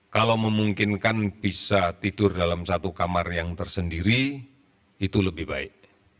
kalau memungkinkan bisa tidur dalam satu kamar yang tersendiri itu lebih baik